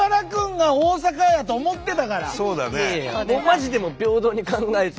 マジで平等に考えて。